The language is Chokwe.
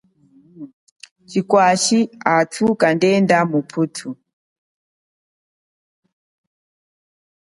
Chikwashi athu haenda kuya muputhu.